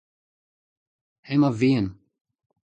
Hemañ vihan.